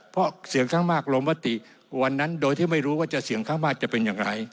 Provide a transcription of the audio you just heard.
เพราะเสียงข้างมากลงมติวันนั้นโดยที่ไม่รู้ว่าจะเสี่ยงข้างมากจะเป็นอย่างไร